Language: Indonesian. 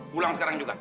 pulang sekarang juga